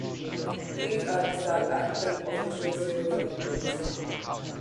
These are the South African official sales numbers.